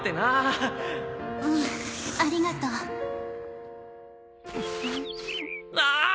うんありがとう。ああー！